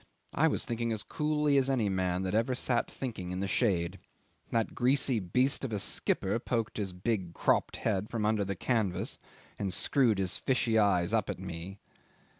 I was thinking as coolly as any man that ever sat thinking in the shade. That greasy beast of a skipper poked his big cropped head from under the canvas and screwed his fishy eyes up at me.